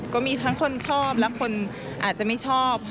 ก็มีทั้งคนชอบและคนอาจจะไม่ชอบ